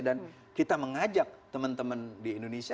dan kita mengajak teman teman di indonesia